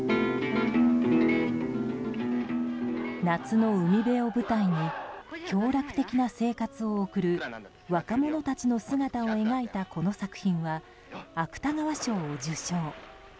夏の海辺を舞台に享楽的な生活を送る若者たちの姿を描いたこの作品は、芥川賞を受賞。